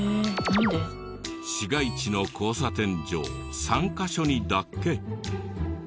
市街地の交差点上３カ所にだけ。